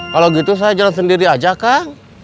kalau gitu saya jalan sendiri aja kang